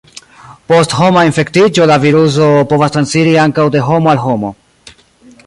Post homa infektiĝo, la viruso povas transiri ankaŭ de homo al homo.